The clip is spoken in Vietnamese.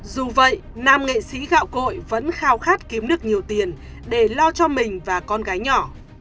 dù vậy nam nghệ sĩ gạo cội vẫn khao khát kiếm được nhiều tiền để lo cho mình và con gái nhỏ